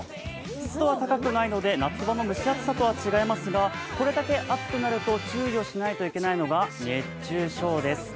湿度は高くないので、夏場の蒸し暑さとは違いますが、これだけ暑くなると注意をしないといけないのは熱中症です。